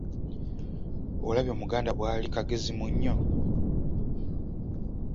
Olabye Omuganda bwali “kagezi munnyo?